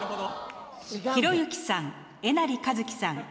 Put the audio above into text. ひろゆきさんえなりかずきさん